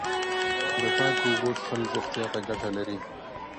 د پاکو اوبو څښل روغتیا ته گټه لري.